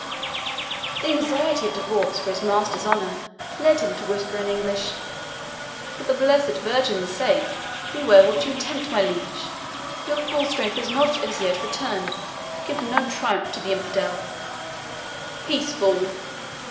The anxiety of De Vaux for his master's honour led him to whisper in English, "For the blessed Virgin's sake, beware what you attempt, my liege! Your full strength is not as yet returned give no triumph to the infidel." "Peace, fool!"